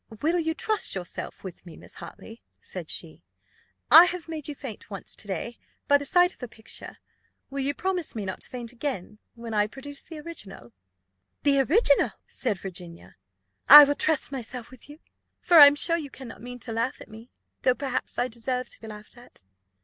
"Will you trust yourself with me, Miss Hartley?" said she. "I have made you faint once to day by the sight of a picture; will you promise me not to faint again, when I produce the original?" "The original!" said Virginia. "I will trust myself with you, for I am sure you cannot mean to laugh at me, though, perhaps, I deserve to be laughed at."